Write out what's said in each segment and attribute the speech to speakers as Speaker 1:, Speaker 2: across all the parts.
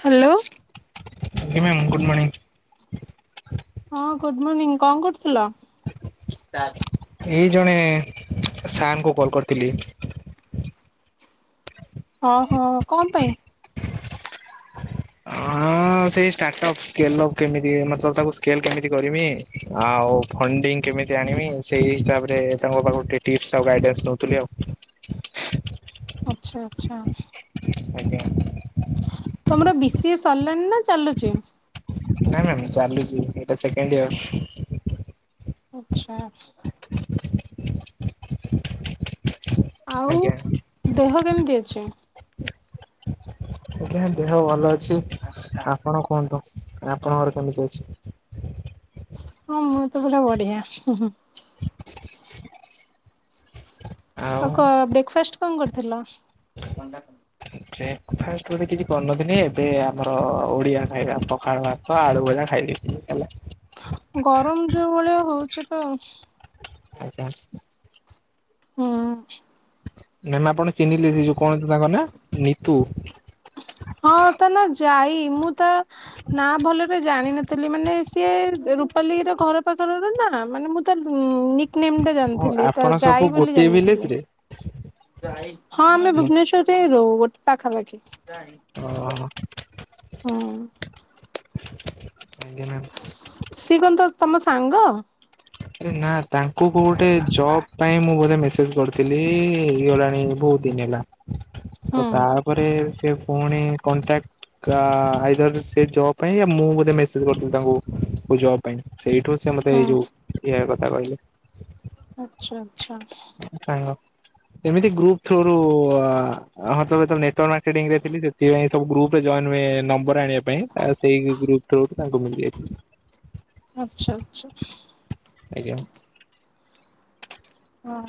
Speaker 1: Hello
Speaker 2: ଆଜ୍ଞା ma'am good morning
Speaker 1: ହଁ good morning କଣ କରୁଥିଲ। [unintelligible]
Speaker 2: ଏଇ ଜଣେ ସାର ଙ୍କୁ କଲ୍ କରିଥିଲି।
Speaker 1: ଅ ହଁ କଣ ପାଇଁ
Speaker 2: ହଁ ସେଇ ସ୍ଟାଟପ୍ ସ୍କେଲପ କେମିତି ମତଲବ୍ ତାକୁ ସ୍କେଲ କେମିତି କରମି ଆଉ ଫଣ୍ଡିଙ୍ଗ କେମିତି ଆଣିବି ସେଇ ହିସାବରେ ତାଙ୍କ ପାଖରୁ ଟିକେ ଟିପ୍ସ ଆଉ ଗାଇଡନ୍ସ ନଉଥିଲି ଆଉ।
Speaker 1: ଆଛା
Speaker 2: ଆଜ୍ଞା
Speaker 1: ତମର ବି ସି ଏ ସରିଲାଣି ନା ଚାଲୁଚି
Speaker 2: ନାଇଁ ମ୍ୟାମ୍ ଚାଲୁଚି ଏଟା ସେକେଣ୍ଡ ୟିଅର୍
Speaker 1: ଆଛା ଆଉ
Speaker 2: ଆଜ୍ଞା
Speaker 1: ଦେହ କେମିତି ଅଛି।
Speaker 2: ଆଜ୍ଞା ଦେହ ଭଲ ଅ ଅଛି ଆପଣ କହନ୍ତୁ। ଆପଣଙ୍କର କେମିତି ଅଛି।
Speaker 1: ମୁଁ ତ ଭଲ ବଢିଆ
Speaker 2: ଆଉ
Speaker 1: ଆ କ ବ୍ରେକଫାଷ୍ଟ କଣ କରିଥିଲ।
Speaker 2: ବ୍ରେକଫାଷ୍ଟ ଗୋଟେ କିଛି କରିନଥିଲି ଏବେ ଆମର ଓଡିଆ ଖାଇବା ପଖାଳ ଭାତ ଆଳୁ ଭଜା ଖାଇଳି
Speaker 1: ଗରମ ଯୋଉ ଭଳିଆ ହଉଛି ତ
Speaker 2: ଆଜ୍ଞା
Speaker 1: ହୁଁ
Speaker 2: ମ୍ୟାମ ଆପଣ ଚିହ୍ନିଲେ ଯେ କଣ ଅଛି ତାଙ୍କ ନା ନିିତୁ
Speaker 1: ହଁ ତା ନା ଯାଇ ମୁଁ ତା ନା ଭଲରେ ଜାଣିନଥିଲି ମାନେ ସିଏ ପାଲି ର ଘର ପାଖର ନା ମାନେ ମୁଁ ତା ନିକ ନେମ ଟା
Speaker 2: ଓ
Speaker 1: ଜାଣିଥିଲି ତ
Speaker 2: ଆପଣ ସବୁ
Speaker 1: ଯାଇ ବୋଲି
Speaker 2: ଗୋଟିଏ ଭିଲେଜ
Speaker 1: ଜାଣିନଥିଲି।
Speaker 2: ରେ?
Speaker 1: ହଁ ଆମେ
Speaker 2: ଓହୋ
Speaker 1: ଭୁବନେଶ୍ୱର ରେ ରୁ ପାଖାପାଖି ହଁ
Speaker 2: ଆକ ନ [inaudible]
Speaker 1: ସିଏ କଣ ତ ତମ ସାଙ୍ଗ
Speaker 2: ଆରେ ନା ତାଙ୍କୁ କଉଁ ଗୋଟେ ଜବ୍ ପାଇଁ ମୁଁ ବୋଧେ ମେସ ମେସେଜ କରିଥିଲି ହେଇ ଗଲାଣି ବହୁତ ଦିନ ହେଲା।
Speaker 1: ହୁଁ
Speaker 2: ଆଉ ତାପରେ ସେ ପୁଣି କଣ୍ଟାକ୍ଟ ଆଇଦର ସେ ଜବ୍ ପାଇଁ ମୁଁ ବୋଧେ ମେସେଜ୍ କରିଥିଲି ତାଙ୍କୁ ଜବ୍ ମୋ ପାଇଁ ସେଇଠୁ ସେ ମତେ ଏଇ ଯୋଉ ଏହା କଥା କହିଲି
Speaker 1: ଆଛା ଆଛା
Speaker 2: ସାଙ୍ଗ ଏମିତି ଗ୍ରୁପ ଥ୍ରୋଉଘ ରୁ ହଁ ତେଵେତ ନେଟୱର୍କ ମାର୍କେଟିଙ୍ଗ ରେ ଥିଲି ସେଥିପାଇଁ ସବୁ ଗ୍ରୁପ ଜଏନ୍ ହୁଏ ନମ୍ବର ନମ୍ବର ଆଣିବା ପାଇଁ ସେଇ ଗ୍ରୁପ ଥ୍ରୋଉଘ ତାଙ୍କୁ ମିଳିଯାଇଛି।
Speaker 1: ଆଛା ଆଛା
Speaker 2: ଆଜ୍ଞା
Speaker 1: ଓ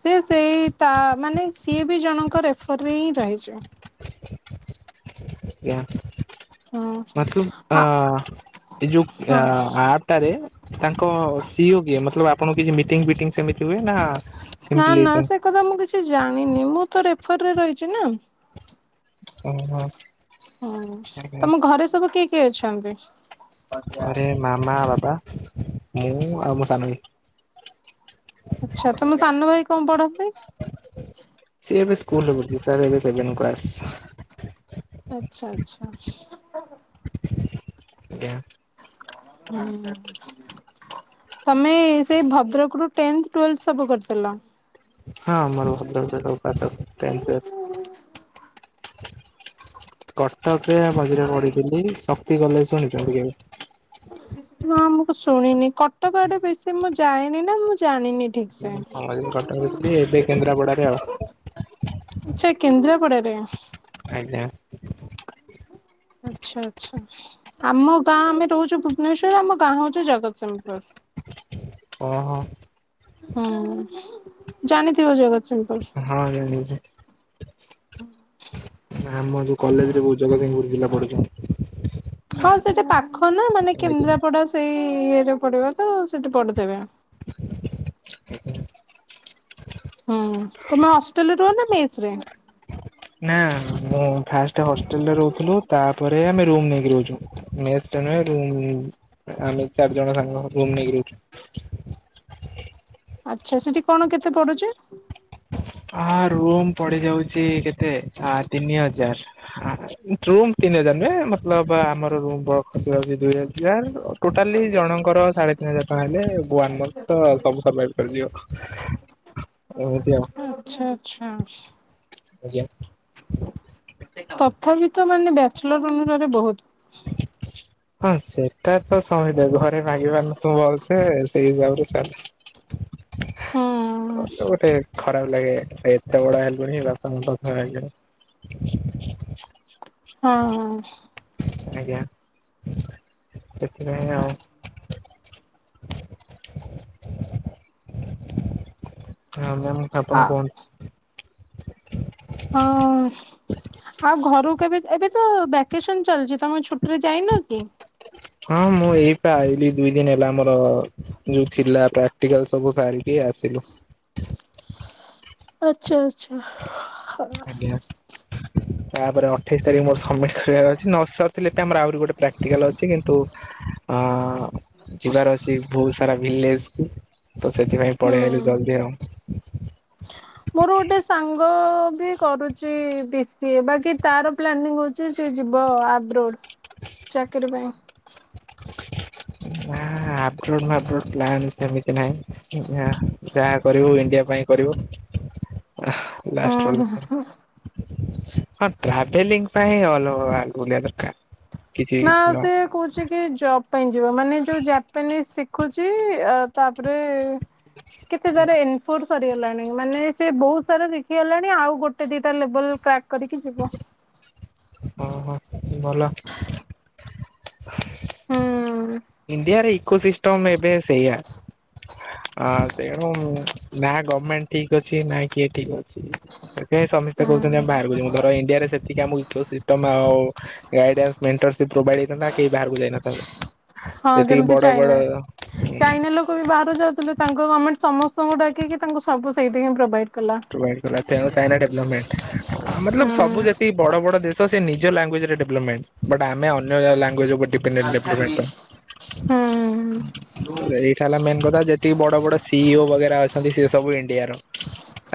Speaker 1: ସେ ସେଇ ତା ମାନେ ସିଏ ବି ଜଣଙ୍କ ରେଫରରେ ହିଁ ରହିଛି
Speaker 2: ଆଜ୍ଞା
Speaker 1: ହୁଁ
Speaker 2: ମତଲବ ଆ
Speaker 1: ହଁ
Speaker 2: ଏ ଯୋଉ
Speaker 1: ହଁ।
Speaker 2: ଆପଟାରେ ତାଙ୍କ ସିଓ କିଏ ମତଲବ୍ ଆପଣଙ୍କୁ କିଛି ମିଟିଂ ବିଟିଂ ସେମିତି ହୁଏ। ନା
Speaker 1: ନା ନା ସେ କଥା ମୁଁ କିଛି ଜାଣିନି ମୁଁ ତ ରେଫରରେ। ଅଛି ନା।
Speaker 2: ଓହୋ।
Speaker 1: ହୁଁ ହିଁ
Speaker 2: ଆଜ୍ଞା
Speaker 1: ତମ ଘରେ ସବୁ କିଏ କିଏ ଅଛନ୍ତି।
Speaker 2: ଘରେ ମାମା ବାବା। ମୁଁ ଆଉ ମୋ ସାନ ଭାଇ।
Speaker 1: ଆଚ୍ଛା ତମ ସାନ ଭାଇ କଁ ପଢନ୍ତି?
Speaker 2: ସିଏ ଏବେ ସ୍କୁଲ ପଢୁଚି ସାର୍ ଏବେ ସେଭେନ୍ କ୍ଲାସ।
Speaker 1: ଆଚ୍ଛା ଆଚ୍ଛା।
Speaker 2: ଆଜ୍ଞା।
Speaker 1: [unintelligible] ତମେ ସେ ଭଦ୍ରକରୁ ଟେନ୍ଥ ଟ୍ଵେଲଥ ସବୁ କରିଥିଲ।
Speaker 2: ହଁ ମୋର ଭଦ୍ରକରେ ସବୁ ପାସ୍ ଆଉଟ୍ ଟେନ୍ଥ ଟ୍ଵେଲ୍ କଟକରେ ମଝିରେ ପଢିଥିଲି। ଶକ୍ତି କଲେଜ ଶୁଣିଚନ୍ତି କେବେ?
Speaker 1: ନାଁ ମୁଁ ତ ଶୁଣିନି। କଟକ ଆଡ଼େ ବେଶୀ ମୁଁ ଯାଏନି ନାଁ ମୁଁ ଜାଣିନି। ଠିକ ସେ।
Speaker 2: ମୁଁ ଥରେ ହିଁ କଟକରେ ଥିଲି ଏବେ କେନ୍ଦ୍ରାପଡ଼ାରେ ଆଉ।
Speaker 1: ଆଚ୍ଛା କେନ୍ଦ୍ରାପଡ଼ାରେ।
Speaker 2: ଆଜ୍ଞା।
Speaker 1: ଆଚ୍ଛା ଆଚ୍ଛା ଆମ ଗାଁ ଆମେ ରହୁଚୁ ଭୁବନେଶ୍ୱର ଆମ ଗାଁ ହଉଚି ଜଗତସିଂ ପୁର
Speaker 2: ଓହୋ
Speaker 1: ହୁଁ। ଜାଣିଥିବ ଜଗତ
Speaker 2: ହଁ ଜାଣିଚି ଆମ ଯୋଉ କଲେଜରେ ବୋହୁ ଜଗସିଂପୁର ପିଲା ପଢୁଚନ୍
Speaker 1: ହଁ ସେଟା ପାଖ ନାଁ ମାନେ
Speaker 2: ଆଜ୍ଞା
Speaker 1: କେନ୍ଦ୍ରାପଡ଼ା ସେଇ ଇଏରେ ପଡ଼ିବ ତ ସେଠି ପଢୁଥିବେ।
Speaker 2: ଆଜ୍ଞା
Speaker 1: ହୁଁ ତମେ ହଷ୍ଟେଲରେ ରୁହ ନା ମେସ ରେ?
Speaker 2: ନାଁ ମୁଁ ଫାଷ୍ଟେ ହଷ୍ଟେଲରେ ରହୁଥୁଲୁ ତା ପରେ ଆମେ ରୁମ ନେଇକି ରହୁଚୁ ମେସରେ ନୁହେଁ ରୁମ ଆମେ ଚାରି ଜଣ ସାଙ୍ଗ ରୁମ ନେଇକି ରହୁଚୁ।
Speaker 1: ଆଚ୍ଛା ସେଠି କଣ କେତେ ପଡୁଚି?
Speaker 2: ଆ-ଆ ରୁମ୍ ପଡ଼ି ଯାଉଚି କେ ତେ ଆ ତିନି ହଜାର। ଆ ରୁମ୍ ତିନି ହଜାର ନୁହେଁ ମତଲବ ଆମର ରୁମ ବ ଖର୍ଚ୍ଚ ଯାଉଚି ଦୁଇ ହଜାର ଅ ଟୋଟାଲି ଜଣଙ୍କର ସାଢ଼େ ତିନି ହଜାର ଟଙ୍କା ହେଲେ ବୁ ଆମର ତ ସବୁ ସର୍ଭାଇଭ କରିିଯିବ। ଅ
Speaker 1: ଆଚ୍ଛା। ଆଚ୍ଛା
Speaker 2: ଆଜ୍ଞା।
Speaker 1: ତ ତଥାପି ତ ମାନେ ବ୍ୟାଚଲର ଅନୁସାରେ ବହୁତ।
Speaker 2: ହଁ ସେଟା ତ ଶହେ ଘରେ ମାଗିପାରୁ ନଥିବୁ ଭଲସେ ସେ ସେ ସେଇ ହିସାବରେ ଚାଲେ।
Speaker 1: ହୁଁ
Speaker 2: ଅଲଗା ଗୋଟେ ଖରାପ ଲାଗେ ଏତେ ବଡ ହେଲୁଣି ବାପା ଙ୍କୁ ପଇସା ମାଗିବା।
Speaker 1: ହଁ
Speaker 2: ଆଜ୍ଞା ସେଥିପାଇଁ ଆଉ। ଆଉ ଆ
Speaker 1: ହଁ।
Speaker 2: ଆପଣ
Speaker 1: ଆ
Speaker 2: କୁହନ୍ତୁ। [inaudible]
Speaker 1: ହଁ ଆଉ ଘରକୁ କେବେ ଏବେ ତ ଭ୍ୟାକେସନ ଚାଲିଛି ତମେ ଛୁଟିରେ ଯାଇନ କି?
Speaker 2: ହଁ ମୁଁ ଏଇପ ଆଲି ଦୁଇ ଦିନ ହେଲା ମୋର ଯୋଉ ଥିଲା ପ୍ରାକ୍ଟିକାଲ ସବୁ ସାରିକି ଆସିଲୁ।
Speaker 1: ଆଛା ଆଛା [inaudible]
Speaker 2: ଆଜ୍ଞା। ତାପରେ ଉଠେଇସାରି ମର ସମିଟକରିବାର ଅଛି ନା। ଥିଲେ ଆମର ଆହୁରି ଗୋଟେ ପ୍ରାକ୍ଟିକାଲ ଅଛି କିନ୍ତୁ ଅ ଯିବାର ଅଛି ବହୁତ ସାରା। ଭିଲେଜକୁ ତ ସେଥିପାଇଁ ପଳେଇ ଆଲି ଜଲଦି ଆଉ।
Speaker 1: ମୋର ଗୋଟେ ସାଙ୍ଗ ବି କରୁଛିି ବି ସିଏ ବାକି ତାର ପ୍ଲାନିଂ ହଉଛି ଯିବ ଆଗ୍ରୋ। ଚାକରି ପାଇଁ। [inaudible]
Speaker 2: ନା ଆ ଆପ୍ରୋଟ ଫାପ୍ରୋଟ ସେମିତି ନାହିଁ ଯାହା କରିବୁ ଇଣ୍ଡିଆ ପାଇଁ କରିବୁ। ଲାଷ୍ଟ
Speaker 1: ହୁଁ
Speaker 2: ରେ
Speaker 1: ହୁଁ।
Speaker 2: ହଁ ଟ୍ରାଭେଲିଂ ପାଇଁ ଅଲଗା ବୁଲିବା ଦରକାର। କିଛି
Speaker 1: ନା
Speaker 2: କିଛି ନୁହଁ।
Speaker 1: ସେ କହୁଛି କି ଜବ ମାନେ ଯୋଉ ଜାପାନି ଖୁଛି ତାପରେ କେତେ ତାର ଏଫୋସ ସରିଗଲାଣି ମାନେ ସେ ବହୁତ ସାରା ଦେଖିଗଲାଣି ଆଉ ଗୋଟେ ଦିଟା ଲେବଲ କ୍ରା କ୍ରା‌କ କରିକି ଯିବ।
Speaker 2: ଓହୋ ଭଲ। [inaudible]
Speaker 1: ହୁଁ
Speaker 2: ଇଣ୍ଡିଆର ଇକୋ ସିଷ୍ଟମ ଏବେ ସେଇଆ। ଆ ତେଣୁ ନା ଗଭମେଣ୍ଟ ଠିକ ଅଛି ନା କିଏ ଠିକ ଅଛି। ସେଥିପାଇଁ ସମସ୍ତେ କହୁଛନ୍ତି ଆମେ ବାହାରକୁ ଯିବୁ
Speaker 1: ହୁଁ।
Speaker 2: ଧର ଇଣ୍ଡିଆରେ ସେତିକି ଆମ ସୋ ସିଷ୍ଟମ୍ ଆଓ ଗାଇଡାନ୍ସ୍ ମେଣ୍ଟରସି ପ୍ରୋଭାଇ ହେଇଥାନ୍ତା କିଏ ବାହାରକୁ ଯାଇ ନଥାନ୍ତେ।
Speaker 1: ହଁ ଯେମିତି ଚାଇନା ଚାଇନା ଲୋକ ବି ବାହାରୁ ଯାଉଥିଲେ। ତାଙ୍କ ଗଭର୍ଣ୍ଣମେଣ୍ଟ ସମସ୍ତଙ୍କୁ ଡାକିକି ତାଙ୍କୁ ସବୁ ସେଠି ହିଁ ପ୍ରୋଭାଇଡ କଲା।
Speaker 2: ପ୍ରୋଭାଇଡ଼ କଲା ତେଣୁ ଚାଇନା ଡେଭଲମେଟ ଆମ ମତଲବ
Speaker 1: ହୁଁ
Speaker 2: ସବୁ ଯେତିିକି ବଡ ବଡ ଦେଶ ସେ ନି ନିଜ ଲାଙ୍ଗୁଏଜରେ ଡେଭଲମେଣ୍ଟେ ବଟ୍ ଆମେ ଅନ୍ୟ ଲାଙ୍ଗ୍
Speaker 1: ହୁଁ
Speaker 2: [unintelligible] ଏଇଟା ହେଲା ମେନ୍ କଥା ଯେତିକି ବଡ ବଡ଼ ସି ଇ ଓ ବଗେରା ଆନ୍ତି ସେ ସବୁ ଇଣ୍ଡିଆ ର।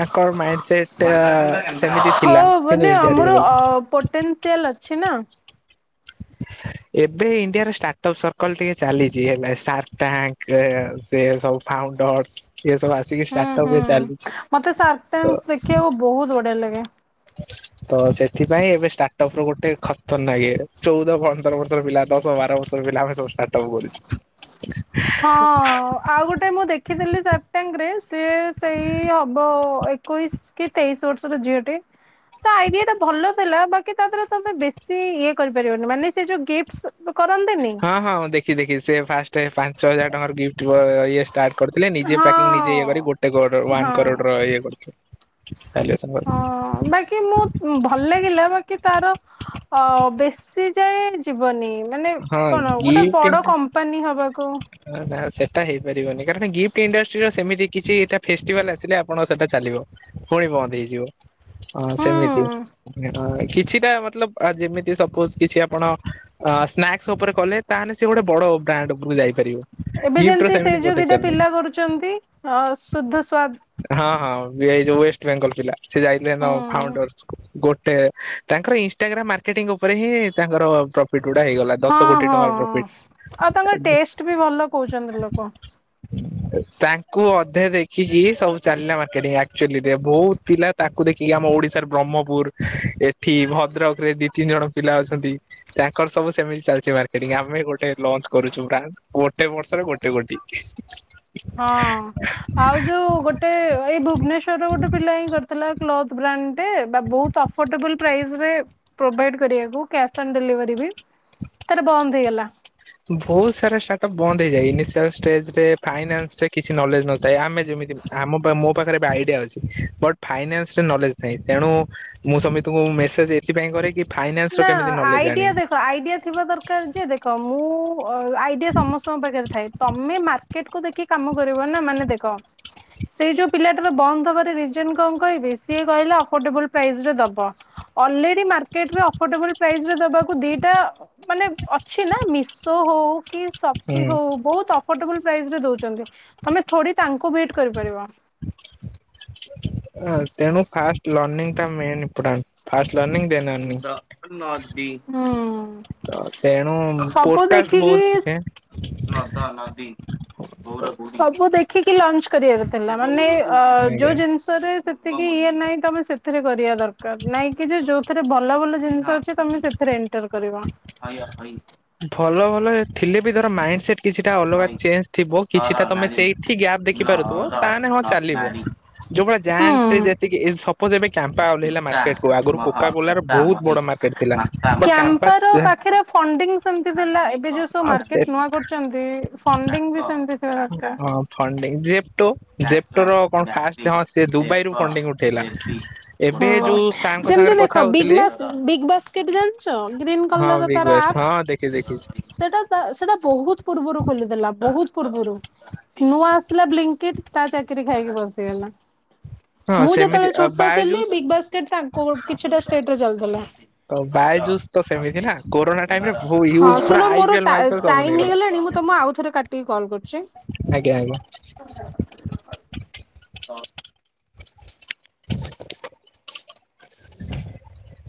Speaker 2: ତାଙ୍କର ମାଇଣ୍ଡ୍
Speaker 1: [unintelligible] ହଉ
Speaker 2: କିନ୍ତୁ
Speaker 1: ମାନେ
Speaker 2: ଇଣ୍ଡିଆରୁ ଇଏ
Speaker 1: ଆମର
Speaker 2: ଗଲେ।
Speaker 1: ଅ ପୋଟେନ୍ସିଆଲ ଅଛି ନା।
Speaker 2: ଏବେ ଇଣ୍ଡିଆର ଷ୍ଟାର୍ଟ ଅପ ସର୍କଲ ଟିକେ ଚାଲିଛି ହେଲା ସାର୍କ ଟ୍ୟାଙ୍କ ସେ ସବୁ ଫାଉଣ୍ଡର୍ସ ଇଏ ସବୁ ଆସିକି
Speaker 1: ହୁଁ
Speaker 2: ଷ୍ଟାର୍ଟଅପ ରେ ଚାଲିଛି।
Speaker 1: ହୁଁ ମତେ
Speaker 2: ତ
Speaker 1: ସାର୍ଟାନ ଦେଖିବାକୁ ବହୁତ ବଢିଆ ଲାଗେ। କେ
Speaker 2: ତ ସେଥିପାଇଁ ଏବେ ଷ୍ଟାର୍ଟ ଅପ ର ଗୋଟେ ଖତର ନାଁ ଇଏରେ ଚଉଦ, ପନ୍ଦର ବର୍ଷର ପିଲା ଦଶ, ବାର ବର୍ଷର ପିଲା ଆମେ ସବୁ ଷ୍ଟାର୍ଟ ଅପ୍ କରୁଛୁ।
Speaker 1: ହଁ ଆଉ ଗୋଟେ ମୁଁ ଦେଖିଥିଲି ସାପ୍ଟାଙ୍ଗ ରେ ସେ ସେଇ ହବ ଏକୋଇସ୍ କି ତେଇଶ୍ ବର୍ଷର ଝିଅ ଟେ। ତା ଆଇଡିଆ ଟା ଭଲ ଥିଲା ବାକି ତାଥିରେ ତାଥିରେ ବେଶୀ ଇଏ କରିପାରିବନି ମାନେ ସେ ଯୋଉ ଗିଫ୍ଟ୍ସ
Speaker 2: ହଁ ହଁ ମୁଁ ଦେଖି ଦେଖିଛି ସେ ଫାଷ୍ଟେ ପା ଛଅହଜାର ଟଙ୍କାର ଗିଫ୍ଟ ଦୁଏ ଇଏ ଷ୍ଟାର୍ଟ କରିଥିଲେ ନିଜେ ପ୍ୟାକିଂ ନିଜେ ଇଏ କରି
Speaker 1: ହଁ।
Speaker 2: ଗୋଟେ କରୋଡ ୱାନ
Speaker 1: ହଁ
Speaker 2: କରୋଡର ଇଏ କରିଥିଲେ। ଭାଲୁଏସନ
Speaker 1: ହଁ
Speaker 2: କରିଥିଲେ
Speaker 1: ବାକି ମୁଁ ଭଲ ଲାଗିଲା ବାକି ତାର ଅ ବେଶୀ। ଯାଏ ଜୀବନି ମାନେ
Speaker 2: ହଁ
Speaker 1: କଣ ଗୋଟେ ବଡ
Speaker 2: ଗିଫ୍ଟ
Speaker 1: କମ୍ପାନୀ। ହବାକୁ
Speaker 2: ଏଟା ହେଇପାରିବନି କାରଣ ଗିଫ୍ଟ ଇଣ୍ଡଷ୍ଟ୍ରିର ସେମିତି କିଛି ଟା ଫେଷ୍ଟିଭାଲ ଆସିଲେ ଆପଣ ସେଇଟା ଚାଲିବ, ପୁଣି ବନ୍ଦ ହେଇଯିବ। ଅ
Speaker 1: ହୁଁ
Speaker 2: ସେମିତି ଆଁ କିଛିଟା ମତ୍ଲବ୍ ଯେମିତି ସପୋଜ କିଛି ଆପଣ ଅ ସ୍ନାକ୍ସ ଉପରେ କଲେ ତାହେଲେ ସେ ଗୋଟେ ବଡ଼ ବ୍ରାଣ୍ଡ ଉପରକୁ ଯାଇପାରିବ।
Speaker 1: ଏବେ
Speaker 2: ଗିଫ୍ଟ ର
Speaker 1: ଯେମିତି
Speaker 2: ସେମିତି
Speaker 1: ସେଇ ଯୋଉ ଦିଟା
Speaker 2: ପୋଟେନସିଆଲ ନାହିଁ
Speaker 1: ପିଲା କରୁଛନ୍ତି ଅ ଶୁଦ୍ଧ ସ୍ୱା
Speaker 2: ବି ଆ ଇ ଯୋଉ ୱେଷ୍ଟ ବେଙ୍ଗଲ ପିଲା, ସେ ଯାଇଥିଲେ ସେଦିନ ଫାଉଣ୍ଡର୍ସକୁ ଗୋଟେ। ତାଙ୍କର ଇନଷ୍ଟାଗ୍ରାମ ମାର୍କେଟିଙ୍ଗ ଉପରେ ହିଁ ତାଙ୍କର ପ୍ରଫିଟ। ଗୁଡା ହେଇଗଲା ଦଶ
Speaker 1: ହଁ
Speaker 2: କୋଟି
Speaker 1: ହଁ
Speaker 2: ଟଙ୍କାର
Speaker 1: ଅ
Speaker 2: ପ୍ରଫିଟ
Speaker 1: ଆଉ ତାଙ୍କ ଟେଷ୍ଟ୍ ବି ଭଲ କହୁଛନ୍ତି ଲୋକ।
Speaker 2: ତାଙ୍କୁ ଅଧେ ଦେଖିକି ସବୁ ଚାଲିଲା ମାର୍କେଟିଙ୍ଗ। ଆକ୍ଚୁଆଲି ରେ ବହୁତ ପିଲା ତାଙ୍କୁ ଦେଖିକି ଆମ ଓଡିଶାର ବ୍ରହ୍ମପୁର, ଏଠି ଭଦ୍ରକରେ ଦି ତିନି ଜଣ ପିଲା ଅଛନ୍ତି। ତାଙ୍କର ସବୁ ସେମିତି ଚାଲିଛି ମାର୍କେଟିଙ୍ଗ ଆମେ ଗୋଟେ ଲଞ୍ଚ୍ କରୁଛୁ ପ୍ରାୟ ଗୋଟେ ବର୍ଷରେ ଗୋଟେ କୋଟି।
Speaker 1: ହଁ ଆଉ ଯୋଉ ଗୋଟେ ଏଇ ଭୁବନେଶ୍ୱରର ଗୋଟେ ପିଲା ହିଁ କରିଥିଲା। ବ୍ରାଣ୍ଡଟେ ବା ବହୁତ ଅଫୋର୍ଡେବଲ ପ୍ରାଇସ ରେ ପ୍ରୋଭାଇଡ କରିବାକୁ କ୍ୟାସ୍ ଅନ୍ ଡେଲିଭରି। ତାର ବନ୍ଦ ହେଇଗଲା। [unintelligible]
Speaker 2: ବହୁତ ସାରା ଷ୍ଟାର୍ଟ ଅପ ବନ୍ଦ ହେଇଯାଏ ଇନିସିଆଲ ଷ୍ଟେଜରେ ଫାଇନାନ୍ସ ରେ କିଛି ନଲେଜ ନଥାଏ ଆମେ ଯେମିତି ଆମ ମୋ ପାଖରେ ଆଇଡିଆ ଅଛି ବଟ୍ ଫାଇନାନ୍ସ ରେ ନଲେଜ ନାହିଁ ତେଣୁ ମୁଁ ସମିତିଙ୍କୁ ମେସେଜ ଏଥିପାଇଁ କରେ କି। ଫାଇନାନ୍ସ ର
Speaker 1: ନା
Speaker 2: କେମିତି ନଲେଜ
Speaker 1: ଆଇଡିଆ
Speaker 2: ଆଣିବି
Speaker 1: ଦେଖ ଆଇଡିଆ ଥିବା ଦରକାର ଯେ ଦେଖ ମୁଁ। ଆଇଡିଆ ସମସ୍ତଙ୍କ ପାଖରେ ଥାଏ ତମେ ମାର୍କେଟ କୁ ଦେଖି କାମ କରିବ ନା ମାନେ ଦେଖ ସେଇ ଯୋଉ ପିଲାଟ ର ବନ୍ଦ ହବାର ରିଜନ କଣ କହିବେ ସିଏ କହିଲେ ଅଫୋର୍ଡବଲ ପ୍ରାଇସରେ ଦବ ଅଲରେଡି ନାମରେ ଅଫଟେବୁଲ ପ୍ରାଇଜରେ ଦବାକୁ ଦିଟା ମାନେ ଅଛି ନା ମିଶୋ ହଉ ହଉ କି ସସ୍ସି
Speaker 2: ହୁଁ
Speaker 1: ହଉ ବହୁତ ଅଫୋଟବଲ ପ୍ରାଇଜରେ ଦଉଛନ୍ତି। ତମେ ଥୋଡି ତାଙ୍କୁ ୱେଟ କରିପାରିବା।
Speaker 2: ତେଣୁ ଫାଷ୍ଟ ଲନିଙ୍ଗଟା ମେନ ଇମ୍ପେଟାଣ୍ଟ
Speaker 1: ଦବୁ ନଦି ହଁ
Speaker 2: ତ ତେଣୁ
Speaker 1: ସବୁ
Speaker 2: ପୋଡକାଷ୍ଟ
Speaker 1: ଦେଖିକି,
Speaker 2: ବହୁତ ଦେଖେ।
Speaker 1: ନଦ ନଦି କୋଉଠି ଲଞ୍ଚ କରିବାର ଥିଲା ମାନେ ଅ ଯୋଉ
Speaker 2: ଆଜ୍ଞା।
Speaker 1: ଜିନିଷରେ ସେ ଏତିକି ଇଏ ନାଇଁ ତମେ ସେଥିରେ କରିବା ଦରକାର ନାଇଁ କି ଯେ ଯୋଉ ଥିରେ ଭଲ ଭଲ ଜିନିଷ ଅଛି ତମେ ସେଥିରେ ଇଣ୍ଟର କରିବ ହ୍ୟ ହଇ
Speaker 2: ଭଲ ଭଲ ଥିଲେ ବି ଧର ମାଇଣ୍ଡ ସେଟ କିଛିଟା ଅଲଗା ଚେଞ୍ଜ ଥିବ କିଛିଟା ତମେ ସେଇଠି ଗ୍ୟାପ୍ ଦେଖିପାରୁଥିବ ତାହେଲେ ହଁ ଚାଲିବ ଯୋଉଭଳି ଜାଣ୍ଟରେ
Speaker 1: ହୁଁ।
Speaker 2: ଯେତିକି ସବୁ ପ ଯେବେ କ୍ୟାମ୍ପା ଓ ଓହ୍ଲେଇଲା ମାର୍କେଟ କୁ ଆଗରୁ କୋକା କୋଲାର ବହୁତ ବଡ ମାର୍କେଟ ଥିଲା ବଟ କମ୍ପା
Speaker 1: କ୍ୟାମ୍ପାର ପାଖରେ ଫଣ୍ଡିଙ୍ଗ ସେମତି ଥିଲା ଏବେ ଯୋଉ ସବୁେ ନୂଆ କରୁଛନ୍ତ ଫଣିଙ୍ଗ ସେମ
Speaker 2: ହଁ ଫଣ୍ତି ଯେ
Speaker 1: ବ୍ୟାଘ୍ର ବ୍ୟାଘ୍ରୀ
Speaker 2: ସେ ଦୁବାଇରୁ
Speaker 1: ଦେବ
Speaker 2: ଫଣ୍ଡିଙ୍ଗ ଉଠେଇଲା।
Speaker 1: ଦେବୀ ହଁ
Speaker 2: ଏବେ ଯୋଉ ସାରଙ୍କ
Speaker 1: ଯେମିତି
Speaker 2: ସାଙ୍ଗରେ କଥା
Speaker 1: ଦେଖ
Speaker 2: ହଉଥିଲି
Speaker 1: ବିଗନେସ ବିଗବସ୍ କେବେ ଜାଣିଚ ଗ୍ରୀନ
Speaker 2: ହଁ
Speaker 1: କଲର
Speaker 2: ବିଗ୍
Speaker 1: ତାର
Speaker 2: ବ୍ୟାଷ୍ଟ
Speaker 1: ଆପ୍,
Speaker 2: ହଁ ଦେଖି ଦେଖିଛି
Speaker 1: ସେଇଟା ବହୁତ ପୂର୍ବରୁ ଖୋଲିଥିଲା ବହୁତ ପୂର୍ବରୁ ନୂଆ ଆସିଲା ବ୍ଲୀଙ୍କିଟ୍ ତା ଚାକିରି ଖାଇକି ବସିଗଲା
Speaker 2: ହଁ
Speaker 1: ମୁଁ
Speaker 2: ସେମିତି
Speaker 1: ଯେତେବେଳେ ଛୋଟ ଥିଲି
Speaker 2: ବାୟଜୁସ୍
Speaker 1: ବିଗବାସ୍କେଟ ତାଙ୍କୁ କିଛିଟା ସ୍ଟେଟରେ
Speaker 2: ତ ବାୟଜୁସ୍ ତ ସେମିତି ନା କୋରୋନା ଟାଇମ
Speaker 1: ଚାଲୁଥିଲା।
Speaker 2: ରେ ବହୁ ୟୁଜ ପୁରା
Speaker 1: ହଁଶୁଣ
Speaker 2: ଆଇ
Speaker 1: ମୋର
Speaker 2: ପିଏଲ ମାଇ ପିଏଲ ସବୁ
Speaker 1: ଟାଇମ
Speaker 2: ନେଇଗଲା
Speaker 1: ହେଇଗଲାଣି ମୁଁ ତମକୁ ଆଉଥରେ କାଟିକି କଲ କରୁଛି।
Speaker 2: ଆଜ୍ଞା ଆଜ୍ଞା।
Speaker 1: ହଁ,
Speaker 2: [inaudible] [inaudible]